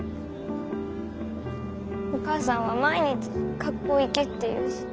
お母さんは毎日学校行けって言うし。